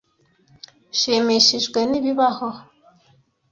Nshimishijwe nibibaho.